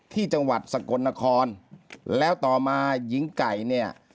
จังหวัดสกลนครแล้วต่อมาหญิงไก่เนี่ย